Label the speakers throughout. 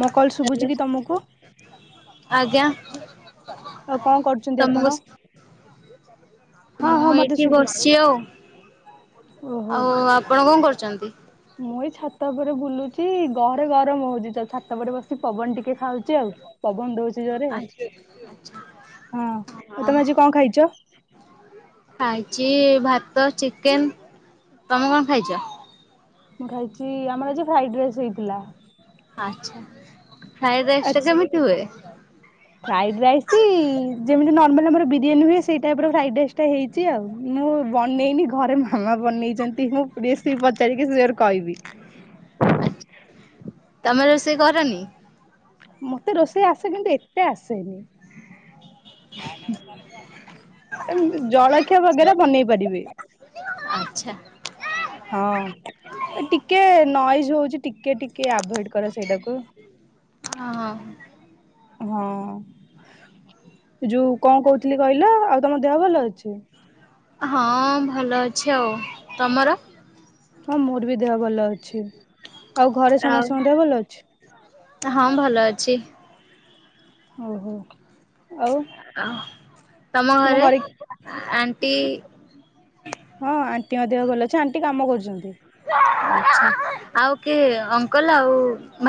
Speaker 1: ମୋ କଲ
Speaker 2: ହ୍ୟାଲୋ
Speaker 1: ଶୁଭୁଛି କି ତମକୁ।
Speaker 2: ଆଜ୍ଞା।
Speaker 1: ଆଉ କଣ କରୁଛନ୍ତି
Speaker 2: ତମକୁ
Speaker 1: ଆପଣ? ହଁ ହଁ
Speaker 2: ମୁଁ
Speaker 1: ମତେ
Speaker 2: ଏଇଠି
Speaker 1: ଶୁଭୁଛି।
Speaker 2: ବସିଛି ଆଉ ଆଉ ଆପଣ କଣ କରୁଛନ୍ତି। [unintelligible]
Speaker 1: ମୁ ଏଇ ଛାତ ଉପରେ ବୁଲୁଚି ଘହରେ ଗରମ ହଉଚି ଛାତ ଉପରେ ବସି ପବନ ଟିକେ ଖାଉଛି। ଆଉ। ପବନ ଦଉଛି ଜୋରେ।
Speaker 2: ଆଚ୍ଛା
Speaker 1: ହଁ ଆଉ
Speaker 2: ହଁ
Speaker 1: ତମେ ଆଜି କଣ ଖାଇଛ?
Speaker 2: ଆଜି ଭାତ ଚିକେନ ତମେ କଣ ଖାଇଛ?
Speaker 1: ମୁଁ ଖାଇଛି ଆମର ଫ୍ରାଇଡ ରାଇସ୍ ହେଇଥିଲା।
Speaker 2: ଆଛା ପ୍ରାୟ ଦଶଟା
Speaker 1: ଆଚ୍ଛା।
Speaker 2: କେମିତି ହୁଏ।
Speaker 1: ଫ୍ରାଇଡ ରାଇସ୍ ଯେମି ନମା ଆମର ବିରିୟାନୀ ହୁଏ ସେଇ ଟାଇପ ର ଫ୍ରାଇଡ ରାଇସ୍ ଟା ହେଇଛି ଆଉ ମୁଁ ବନେଇନି ଘରେ କ୍ଷମା ବନେଇଛନ୍ତି ମୁଁ ସେ ପଚାରିକି ସେ କହିବି
Speaker 2: ସେ କରନି
Speaker 1: ମତେ ରୋଷେଇ ଆସେ କିନ୍ତୁ ଏତେ ଆସେନି ଜଳଖିଆ ବଗେରା ବନେଇ ପାରିବେ
Speaker 2: ଭ ଆଛା
Speaker 1: ହଁ ଟିକେ ନଏଜ ହଉଛି ଟିକେ ଟିକେ ଆଭଏଡ କର ସେଇଟାକୁ
Speaker 2: ହଁ
Speaker 1: ହଁ ଯଉ କଣ କହୁଥିଲି କହିଲ ଆଉ ତମ ଦେହ ଭଲ ଅଛି।
Speaker 2: ହଁ ଭଲ ଅଛି ଆଉ ତମର
Speaker 1: ହଁ ମୋର ବି ଦେହ ଭଲ ଅଛି। ଆଉ ଘରେ
Speaker 2: ଆଉ
Speaker 1: ସମସ୍ତଙ୍କ ଦେ ଭଲ ଅଛି।
Speaker 2: ହଁ ଭଲ ଅଛି
Speaker 1: ଓହୋ ଆଉ
Speaker 2: [unintelligible] ତମ ଘରେ ଆଣ୍ଟି
Speaker 1: ହଁ ଆଣ୍ଟି ମଧ୍ୟହ ଭଲ ଅଛି ଆଣ୍ଟି କାମ କରୁଛନ୍ତି।
Speaker 2: ଆଛା ଆଉ କିଏ ଅଙ୍କଲ ଆଉ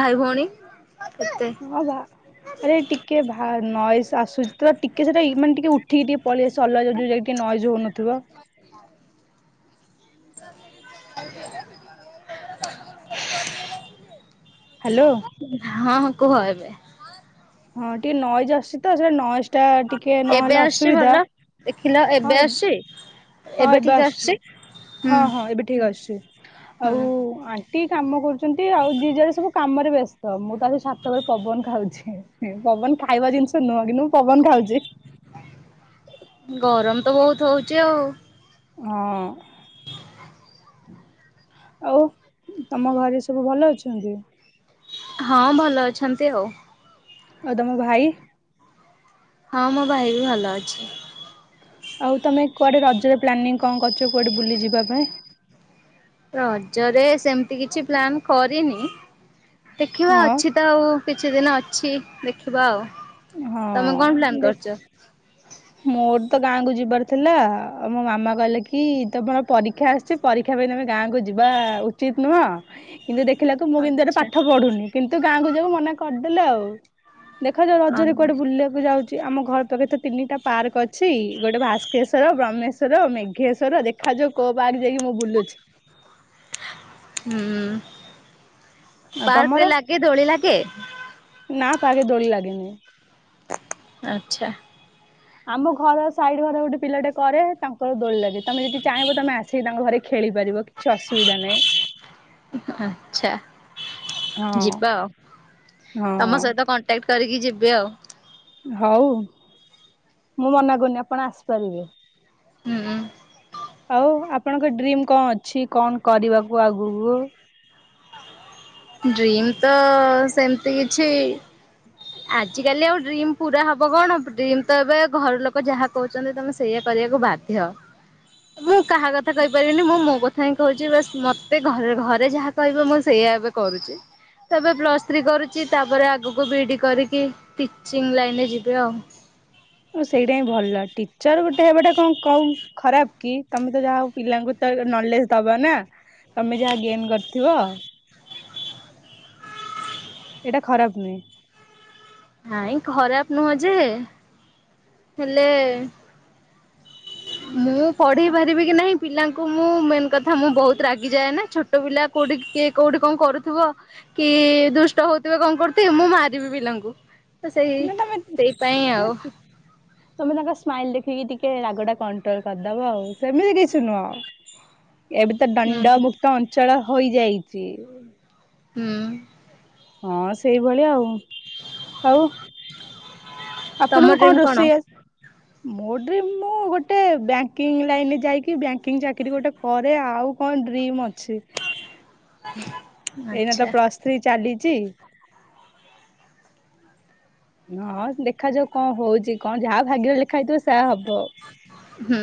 Speaker 2: ଭାଇ ଭଉଣୀ କେତେ?
Speaker 1: ହଉ ବା ଆରେ ଟିକେ ନଏଜ ଆସୁଛି ତ ଟିକେ ସେଟା ମାନେ ଟିକେ ଉଠିକି ଟିକେ ପଳେଇ ଆସ ଅଲଗା ଟିକେ ନଏଜ ହଉନଥିବ।
Speaker 2: ଆଉ ହଁ ହଁ
Speaker 1: ହ୍ୟାଲୋ।
Speaker 2: କୁହ ଏବେ
Speaker 1: ହଁ ଟିକେ ନଈ ଜ ଆସିଛି ତ ସେଇଟା ନ ଟା ଟିକେ ନହେଲେ ଅସୁବିଧା
Speaker 2: ହଲୋ
Speaker 1: ହଁ
Speaker 2: ଏବେ
Speaker 1: ଏବ୍
Speaker 2: ଆସଛି।
Speaker 1: ହଁ ଏବେ ଆସଛି ହଁ ହଁ ଏବେ ଠିକ ଆସଛି ଆଉ
Speaker 2: ହୁଁ
Speaker 1: ଟିକେ କାମ କରୁଛ। ଛନ୍ତି ଆଉ ଦି ଜାଡ ସବୁ କାମରେ ବ୍ୟ ମୁଁ ତ ଆ ସାତଟା ବଳେ ପବନ ଖାଉଛି ପବନ ଖାଇବା ଜିନିଷ ନୁହଁ କିନ୍ତୁ ମୁଁ ପବନ ଖାଉଛି।
Speaker 2: ଗରମ ତ ବହୁତ ହଉଚ ଆଉ।
Speaker 1: ହଁ
Speaker 2: [unintelligible]
Speaker 1: ଆଉ ତମ ଘରେ ସବୁ ଭଲ ଅଛନ୍ତି।
Speaker 2: ହଁ ଭଲ ଅଛନ୍ତି ଆଉ
Speaker 1: ଓ ତମ ଭାଇ
Speaker 2: ହଁ ମୋ ଭାଇ ବି ଭଲ ଅଛି
Speaker 1: ଆଉ ତମେ କୁଆଡେ ରଜରେ ପ୍ଲାନିଂ କଣ କରଛ କୁଆଡେ ବୁଲି ଯିବା ପାଇଁ
Speaker 2: ରଜରେ ସେମିତି କିଛି ପ୍ଲାନ୍ କରିନି ଦେଖିବା
Speaker 1: ହଁ
Speaker 2: ଅଛି ତ ଆଉ କିଛି ଦିନ ଅଛି ଦେଖିବା ଆଉ ତମେ
Speaker 1: ହଁ
Speaker 2: କଣ ପ୍ଲାନ୍
Speaker 1: ଦେଖ
Speaker 2: କରିଛ?
Speaker 1: ମୋ ତ ଗାଁକୁୁ ଯିବାର ଥିଲା ଆ ମୋ ମାମା କହିଲେ କି ତମର ପରୀକ୍ଷା ଆସିଛି ପରୀକ୍ଷା ପାଇଁ ତମେ ଗାଁକୁ ଯିବା ଉଚିତ ନୁହଁ, କିନ୍ତୁ ଦେଖିଲାକୁ ମୁଁ କିନ୍ତୁ ଏଠି
Speaker 2: ଆଛା
Speaker 1: ପାଠ ପଢୁନି କିନ୍ତୁ ଗାଁକୁ ଯଉ ମେ ଆଉ ଦେଖ ରେ କୋଆଟେ ବୁଲିବାକୁ ଯାଉଛି ଆମ ଘର ପାଖରେ ତ ତିନିଟା ପାର୍କ ଅଛି ଗୋଟେ ଭାସ୍କେଶ୍ୱର ବ୍ରହ୍ମେଶ୍ୱର ମେଘେଶ୍ଵର ଦେଖାଯାଉ କୋଉ ପାର୍କ ଯାଇକି ମୁଁ ବୁଲୁଛି,
Speaker 2: ହୁ
Speaker 1: ଆଉ
Speaker 2: ପାର୍କ
Speaker 1: ତମର
Speaker 2: ରେ ଲାଗେ ଧୋଳି ଲାଗେ
Speaker 1: ଜଳି ଲାଗେନି
Speaker 2: ଆଚ୍ଛା,
Speaker 1: ଆମ ଘର ସାଇଡ ଘର ଗୋଟେ ପିଲା ଟେ କରେ ତାଙ୍କର ଦୋଳି ଲାଗିଥାଏ। ତମେ ଯଦି ଚାହିଁବ ତମେ ଆସିକି ତାଙ୍କ ଘରେ ଖେଳିପାରିବ କିଛି ଅସୁବିଧା ନାହିଁ
Speaker 2: ଆଚ୍ଛା
Speaker 1: ହଁ
Speaker 2: ଯିବା ଆଉ
Speaker 1: ହଁ,
Speaker 2: ବ୍ୟାଓ
Speaker 1: ହଉ ମୁଁ ମନା କରୁନି ଆପଣ ଆସିପାରିବେ।
Speaker 2: ହୁଁ ଉଁ
Speaker 1: ଆଉ ଆପଣଙ୍କ ଡ୍ରିମ୍ କଣ ଅଛି କଣ କରିବାକୁ ଆଗକୁ,
Speaker 2: ଡ୍ରିମ ତ ସେମିତି କିଛି, ଆଜ କାଲି ଆଉ ଡ୍ରିମ ପୁରା ହବ କଣ ଡ୍ରିମ ତ ଏବେ ଘର ଲୋକ ଯାହା କହୁଛନ୍ତି ତମେ ସେଇୟା କରିବାକୁ ବାଧ୍ୟ ମୁଁ କାହା କଥା କହିପାରିବିନି ମୁଁ ମୋ କଥା ହିଁ କହୁଛି ମତେ ଘରେ ଘରେ ଯାହା କହିବ ମୁଁ ସେଇୟା ଏବେ କରୁଛି ତ ଏବେ ପ୍ଲସ୍ ଥ୍ରୀ କରୁଛି ତାପରେ ଆଗକୁ ବି କରିକି ଟିଚିଂ ଲାଇନରେ ଯିବେ ଆଉ
Speaker 1: ଓ ସେଇଟା ହିଁ ଭଲ ଟିଚର ଗୋଟେ ହେବାଟା କଣ କ ଖରାପ କି ତମେ ତ ଯାହା ହଉ ପିଲାଙ୍କୁ ତ ନଲେଜ ଦବ ନା ତମେ ଯାହା ଗେନ କରିଥିବ। ଏଟ ଖରାପ ନୁହ,
Speaker 2: ହଁଇ ଖରାପ ନୁହଁ ଯେ ହେଲେ ମୁଁ ପଢେଇ ପାରିବି କି ନାହିଁ, ପିଲାଙ୍କୁ ମୁଁ ମେନ କଥା ମୁଁ ବହୁତ ରାଗିଯାଏ ନା ଛୋଟ ପିଲା କୋଉଠି କି କୋଉଠି କଣ କରୁଥିବ କି ଦୁଷ୍ଟ ହଉଥିବେ କଣ କରୁଥିବେ ମୁଁ ମାରିବି ପିଲାଙ୍କୁ। ତ ସେଇ
Speaker 1: ନା ତମେ
Speaker 2: ସେଇପାଇ
Speaker 1: ତମେ
Speaker 2: ଆଉ।
Speaker 1: ତମେ ତାଙ୍କ ସ୍ମାଇଲ ଦେଖିକି ଟିକେ ରାଗ ଟା କଣ୍ଟ୍ରୋଲ କରିଦବ ଆଉ ସେମିତି କିଛି ନୁହଁ ଆଉ ଏବେ ତ ଦଣ୍ଡ
Speaker 2: ହୁଁ
Speaker 1: ମୁୁକ୍ତ ଅଞ୍ଚଳ। ହୋଇଯାଇଛି।
Speaker 2: ହୁଁ, [inaudible]
Speaker 1: ହଁ ସେଇଭଳିଆ ଆଉ ଆଉ
Speaker 2: ତମ
Speaker 1: ଆପଣଙ୍କୁ କଣ
Speaker 2: ଡ୍ରିମ୍
Speaker 1: ରୋଷେଇ ମୋ ଡ୍ରିମ୍ ମୁଁ ଗୋଟେ ବ୍ୟାଙ୍କିଙ୍ଗ ଲାଇନେ ଯାଇକି ବ୍ୟାଙ୍କିଙ୍ଗ ଚାକିରୀ ଗୋଟେ କରେ ଆଉ କଣ ଡ୍ରିମ୍ ଅଛି। ଏଇନା ତ
Speaker 2: ଆଚ୍ଛା
Speaker 1: ପ୍ଲସ୍ ଥ୍ରୀ ଚାଲିଛି। ହଁ ଦେଖାଯାଉ କଣ ହଉଛି କଣ ଯାହା ଭାଗ୍ୟରେ ଲେଖା ହେଇଥିବ ସେହା ହବ ତ
Speaker 2: ହୁଁ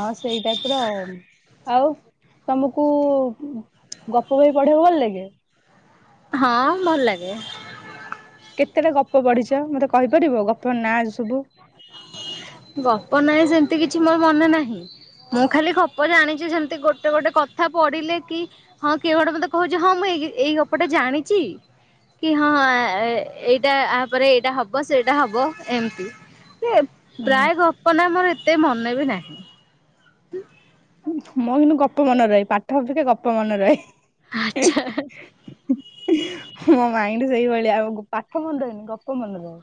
Speaker 1: ହଁ ସେଇଟାଇପ ର ଆଉ ତମକୁ ଗପ ବହି ପଢିବ ଭଲ ଲାଗେ
Speaker 2: ହଁ ଭଲ ଲାଗେ।
Speaker 1: କେତେଟା ଗପ ବଢିଛ ମତେ କହିପାରିବ ଗପ ନାଁ ସବୁ
Speaker 2: ଗପ ନହିଁ ସେମିତି କିଛି ମୋର ମନେ ନାହିଁ ମୁଁ ଖାଲି ଗପ ଜାଣିଛି ସେମିତି ଗୋଟେ ଗୋଟେ କଥା ପଢିଲେ କି ହଁ କିଏ ଗୋଟେ ମତେ କହୁଛି ହଁ ମୁଁ ଏଇ ଗପଟା ଜାଣିଛି କି ହଁ ଏଇଟାପରେ ଏଇଟା ହବ ସେଇଟା ହବ ଏମିତି
Speaker 1: ଓହୋ
Speaker 2: ପ୍ରାୟ ଗ୍ପ ନା ମୋର ଏତେ ମନେ ବି ନାହିଁ। ତ
Speaker 1: ମଁ କିନ୍ତୁ ଗପ ମନ ରହି ପାଠିକେ ଗ ପପ ମନ ର
Speaker 2: ଆଚ୍ଛା
Speaker 1: ମୋ ମାଇ ସେଇଭଳି ଆଉ ପାଠ ମନି ରହନି ଗପ ମନ ରହ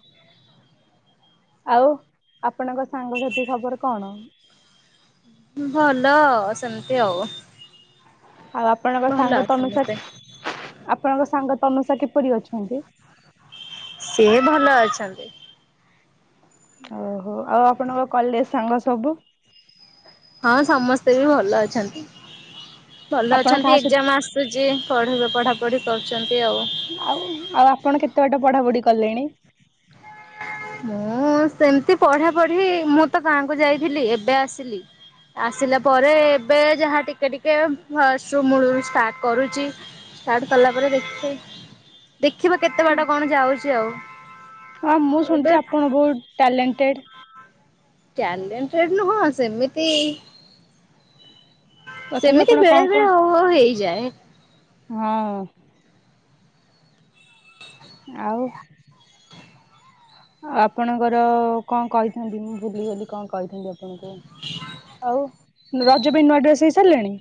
Speaker 1: ଆଉ ଆପଣଙ୍କ ସାଙ୍ଗସାଥି ଖବର କଣ?
Speaker 2: ଭଲ ସେମିତି ଆଉ
Speaker 1: ଆଉ ଆପଣଙ୍କ
Speaker 2: ଭଲ
Speaker 1: ସାଙ୍ଗ ତମେ
Speaker 2: ସମସ୍ତେ
Speaker 1: ଆପଣଙ୍କ ସାଙ୍ଗ ତନୁଷା କିପରି ଅଛନ୍ତି।
Speaker 2: ସିଏ ଭଲ ଅଛନ୍ତି।
Speaker 1: ଓହୋ ଆଉ ଆପଣଙ୍କ କଲେଜ ସାଙ୍ଗ ସବୁ
Speaker 2: ହଁ ସମସ୍ତେ ବି ଭଲ ଅଛନ୍ତି। ଭଲ
Speaker 1: ଆପଣ
Speaker 2: ଅଛନ୍ତି
Speaker 1: କାହା ସହିତ
Speaker 2: ଏକ୍ଜାମ ଆସୁଛି ପଢ ପଢା ପଢ଼ି ପାରୁଛନ୍ତି ଆଉ
Speaker 1: ଆଉ ଆଉ ଆପଣ କେତେ ବାଟ ପଢାପଢି କଲେଣି
Speaker 2: ମୁଁ ସେମିତି ପଢାପଢି ମୁଁ ତ ଗାଁକୁ ଯାଇଥିଲି ଏବେ ଆସିଲି ଆସିଲା ପରେ ଏବେ ଯାହା ଟିକେ ଟିକେ ଫଷ୍ଟ ର ମୂଳରୁ ଷ୍ଟାର୍ଟ କରୁଛି ଷ୍ଟାର୍ଟ କଲା ପରେ ଦେଖ ଦେଖିବା କେତେ ବାଟ କଣ ଯାଉଛି ଆଉ
Speaker 1: ହଁ ମୁଁ
Speaker 2: ଏବେ
Speaker 1: ଶୁଣିଛି ଆପଣ ବହୁତ ଟ୍ୟାଲେଣ୍ଟେଡ
Speaker 2: କ୍ୟାରେଡ ନୁହଁ ସେମିତି
Speaker 1: ତଥାପି
Speaker 2: ସେମିତି
Speaker 1: ଆପଣ କଣ
Speaker 2: ବେଳେ
Speaker 1: କଣ
Speaker 2: ବେଳେ ହଉ ହ ହେଇଛି। ଯାଏ।
Speaker 1: ହଁ ଆଉ ଆପଣଙ୍କର କଣ କହିଛନ୍ତି ମୁଁ ଭୁଲିଗଲି କଣ କହିଛନ୍ତିଣ ଆଙ୍କୁ ଆଉ ରଜ ବି ନୂଆ ଡ୍ରେସ ହେଇସାରିଲେଣି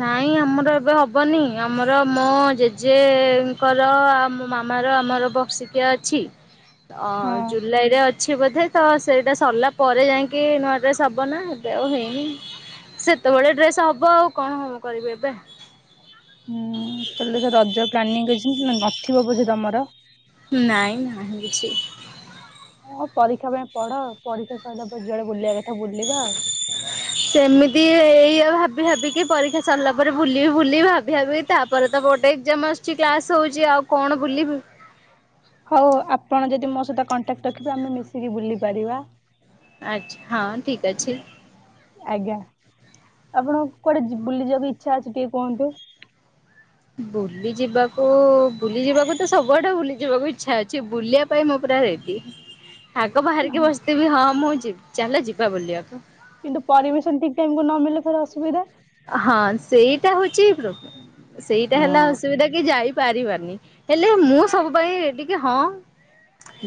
Speaker 2: ନାଇଁ ଆମର ଏବେ ହବନି ଆମର ମୋ ଜେଜେଙ୍କର ଆ ମୋ ମାମାର ଆମର ବକ୍ସିକିଆ ଅଛି। ଅ
Speaker 1: ହଁ
Speaker 2: ଜୁଲାଇ ରେ ଅଛି ବୋଧେ ତ ସେଇଟା ସରିଲା ପରେ ଯାଇକି ନୂଆ ଡ୍ରେସ୍ ହବ ନା ଏବେ ଆଉ ହେଇନି ସେତେବେଳେଆ ଡ୍ରେସ୍ ହବ ଆଉ କଣ କମ କରିବି ଏବେ
Speaker 1: ହୁଁ ତାହେଲେ ତ ରଜ ପ୍ଲାନିଂ କରିଛନ୍ତି ନଥିବ ବୋଧେ ତମର
Speaker 2: ନାଇଁ ନାାଇ କିଛି
Speaker 1: ହଁ ପରୀକ୍ଷା ପାଇଁ ପଢ ପରୀକ୍ଷା ସହିତ ଜଳେେ ବୁଲିବା କଥା ବୁଲିବା ଆଉ।
Speaker 2: ସେମିତି ଏଇଆଉ ଭାବ ଭି ଭାବିକି ପରୀକ୍ଷା ସରିଲା ପରେ ବୁଲିବି ବୁଲି ଭାବି ଭାବି ତାପରେ ତ ବୋଟେ ଏଜାମ ଆସୁଛି କ୍ଲାସ ହଉଛି ଆଉ କଣ ବୁଲ?
Speaker 1: ହଉ ଆପଣ ଯଦି ମୋ ସହିତ କଣ୍ଟାକ୍ଟ ରଖିବେ ଆମେ ମିଶିକି ବୁଲି ପାରିବା
Speaker 2: ଆଛା ହଁ ଠିକ ଅଛି।
Speaker 1: ଆଜ୍ଞା ଆପଣ କୁଆଡେ ବୁଲି ଯିବାକୁ ଇଚଛା ଅଛି ଟିକେ କୁହନ୍ତୁ।
Speaker 2: ବୁଲି ଯିବାକୁ ବୁଲି ଯିବାକୁ ତ ସବୁଆଡେ ବୁଲି ଯିବାକୁ ଇଚ୍ଛା ଅଛି ବୁଲିବା ପାଇଁ ମୁଁ ପୁରା ରେଡି ଆଗ ବାହାରିକି ବସିଥିବି ହଁ ମୁଁ ଚାଲ ଯିବା ବୁଲିବାକୁ
Speaker 1: କିନ୍ତୁ ପରମିସନ ଠିକ ଟାଇମକୁୁ ନ ମିେଲେ ଫରେ ଅସୁବିଧା
Speaker 2: ହଁ ସେଇଟା ହଉଛି। ସେଇଟା ହେଲା
Speaker 1: ହଁ
Speaker 2: ଅସୁବିଧା କି ଯାଇ ପାରିବାନି ହେଲେ ମୁଁ ସବୁ ପାଇଁ ଟିକେ ହଁ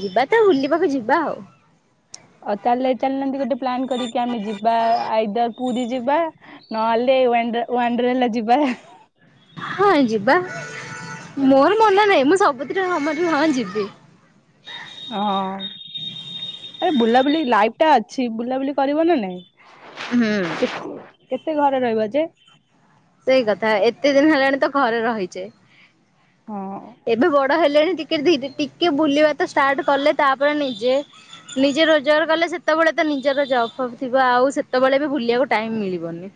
Speaker 2: ଯିବା ତା ବୁଲିବାକୁ ଯିବା ଆଉ
Speaker 1: ଆଉ ତାହେଲେ ଚାଲିନାହାନ୍ତି ଗୋଟେ ପ୍ଲନ୍ କରିକି ଆମେ ଯିବାଇଦର ପୁରୀ ଯିବା ନହେଲେ ହେଲା ଯିବା
Speaker 2: ହଁ ଯିବା ମୋର ମନା ନାହିଁ ମୁଁ ସବୁଥିରେ ସମ ହଁ ଯିବି
Speaker 1: ହଁ ଆରେ ବୁଲାବୁଲି ଲାଇଫ ଟା ଅଛି ବୁଲାବୁଲି କରିବ ନା ନାଇଁ
Speaker 2: ହୁଁ
Speaker 1: କେତେ? କେତେ ଘରେ ରହିବ ଯେ
Speaker 2: ସେଇ କଥା ଏତେ ଦିନ ହେଲାଣି ତ ଘରେ ରହିଛେ
Speaker 1: ହଁ।
Speaker 2: ଏବେ ବଡ ହେଲେଣି ଟିକେ ଟ ଟିକେ ବୁଲିବା ତ ଷ୍ଟାର୍ଟ କଲେ ତାପରେ ନିଜେ ନିଜେ ରୋଜଗାର କଲେ ସେତେବେଳେ ତ ନିଜର ଜବ ଥିବ ଆଉ ସେତେବେଳେ ବି ବୁଲିବାକୁ ଟାଇମ ମିଳିବନି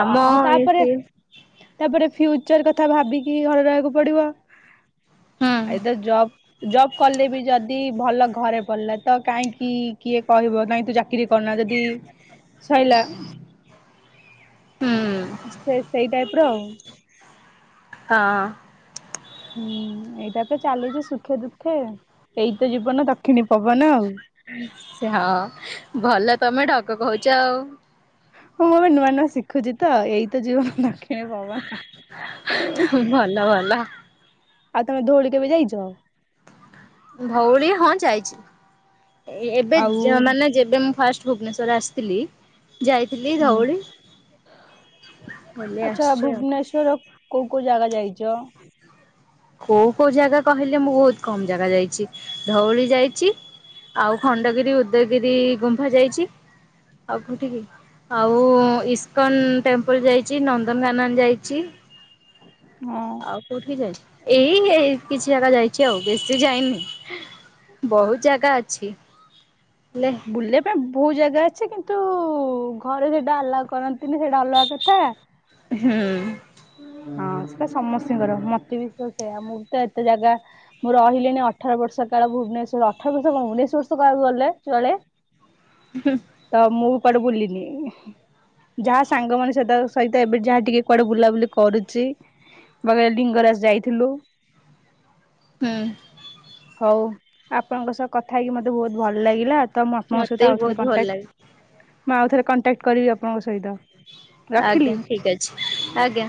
Speaker 2: ଆମ ଏ
Speaker 1: ତାପରେ
Speaker 2: ସେ
Speaker 1: ତାପରେ ଫ୍ୟୁଚର କଥା କଥା ଭାବିକି ଘରେ ରହିବାକୁ ପଡିବ
Speaker 2: ହୁଁ
Speaker 1: ଆଇଦ ଜୋବ ଜବ କଲେ ବି ଯଦି ଭଲ ଘରେ ପଡିଲା ତ କାହିଁକି କିଏ କହିବ କାଇହିଁ ତୁ ଚାକିରିୀ କରୁନା ଯଦି ସରିଲା।
Speaker 2: ହୁଁ
Speaker 1: ସେ ସେଇ ଟାଇପ ର ଆଉ
Speaker 2: ହଁ
Speaker 1: ହୁଁ ଏଇଟାପରେ ଚାଲିଛି ସୁଖେ ଦୁଃଖେ ଏଇତ ଜୀବନ ଦକ୍ଷିଣୀ ପବନ ଆଉ
Speaker 2: ହଁ ଭଲ ତମେ ଠକ କହୁଛ ଆଉ
Speaker 1: ହଁ ମୁଁ ଏବେ ନୂଆ ନୂଆ ଶିଖୁଛି ତ ଏଇ ତ ଯିବ ଖ ପବା ନା
Speaker 2: ଭଲ ଭଲ।
Speaker 1: ଆଉ ତମେ ଧଉଳି କେବେ ଯାଇଛ ଆଉ
Speaker 2: ଭଉଳିୀ ହଁ ଯାଇଛି। ଏବେ
Speaker 1: ଆଉ
Speaker 2: ମାନେ ଯେବେ ମୁଁ ଫାଷ୍ଟ ଭୁବନେଶ୍ୱର ଆସିଥିଲି। ଯାଇଥିଲି
Speaker 1: ହୁଁ
Speaker 2: ଧଉଳି ବୁଲି
Speaker 1: ଆଚଛା
Speaker 2: ଆସିଛି ଆଉ।
Speaker 1: ଭୁବନେଶ୍ଵର କୋଉ କୋଉ ଜାଗା ଯାଇଛ
Speaker 2: କୋଉ କୋଉ ଜାଗା କହିଲେ ମୁଁ ବହୁତ କମ ଜାଗା ଯାଇଛି ଧଉଳି ଯାଇଛି ଆଉ ଖଣ୍ଡଗିରି ଉଦୟଗିରି ଗୁମ୍ଫା ଯାଇଛି ଆଉ କଉଠି କି ଆଉ ଇସ୍କନ ଟେମ୍ପଲ ଯାଇଛି ନନ୍ଦନକାନନ ଯାଇଛି।
Speaker 1: ହଁ
Speaker 2: ଆଉ କୋଉଠି ଯାଇଛି ଏଇ ଏଇ କିଛି ଜାଗା ଯାଇଛି ଆଉ ବେଶୀ ଯାଇନି ବହୁତ ଜାଗା ଅଛି। ହେଲେ
Speaker 1: ବୁଲିଲ ପାଇଁ ବହୁ ଜାଗା ଅଛି କିନ୍ତୁ ଘରେ ସେଇଟା ଅଲଗ କରନ୍ତିନି ସେଇଟା ଅଲଗା କଥା
Speaker 2: ହୁଁ
Speaker 1: ହଁ ସେଇଟା ସମସ୍ତିଙ୍କର ମତେବି ସେ ସେଇଆ ମୁଁ ତ ଏତେ ଜାଗା ମୁଁ ରହିଲେଣିି ଅଠ ବର୍ଷ କାଳ ଭୁବନେଶ୍ଵର୍ ଅଠ ବର୍ଷ କଣ ଉନେଇସି ବର୍ଷ କାଳୁ ଗଲେ ଚୁଆଳେ। ତ ମୁ କୁଆଡୁ ବୁଲିନି ଯାହା ସାଙ୍ଗ ମାନ ସଇତ ସହିତ ଏବେ ଯାହା ଟିକେ କୁଆଡୁ ବୁଲାବୁଲି କରୁଛି ବା ଲିଙ୍ଗରାଜ୍ ଯାଇଥିଲୁ।
Speaker 2: ହୁଁ।
Speaker 1: ହୋଉ ଆପଣଙ୍କ ସହ କଥା ହେଇକି ମତେ ବୋହୁତ୍ ଭଲ୍ ଲାଗିଲା। ତ ମୁଁ ଆପଣଙ୍କ
Speaker 2: ମତେ
Speaker 1: ସହିତ
Speaker 2: ବି
Speaker 1: ଆଉ ଥରେ
Speaker 2: ବହୁତ ଭଲ
Speaker 1: କଣ୍ଟା
Speaker 2: ଲାଗେ
Speaker 1: ମୁଁ ଆଉ ଥରେ କଣ୍ଟାକ୍ଟ କରିବି ଆପଣଙ୍କ ସହିତ। ରଖିଲି।
Speaker 2: ଆଜ୍ଞା ଠିକ୍ ଅଛି। ଆଜ୍ଞା।